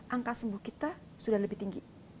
angka sembuh kita sudah lebih tinggi